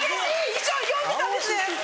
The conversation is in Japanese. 一緒読んでたんですね！